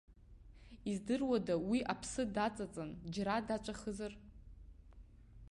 Издыруада уи аԥсы даҵаҵан џьара даҵәахызар.